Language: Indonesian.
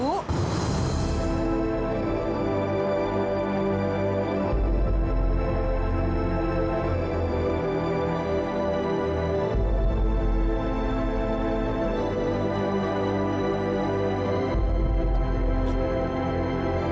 jadi saya saya pemiliki kuasa tungguinnya